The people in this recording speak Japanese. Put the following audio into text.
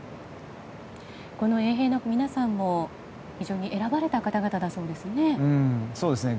衛兵の皆さんも選ばれた方々だそうですね。